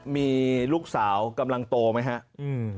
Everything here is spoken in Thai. มีลูกสาวกำลังโตไหมฮะอืม